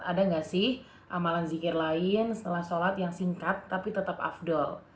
ada nggak sih amalan zikir lain setelah sholat yang singkat tapi tetap afdol